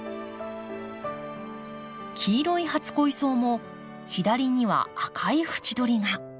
黄色い初恋草も左には赤い縁取りが。